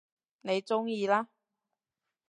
你鍾意啦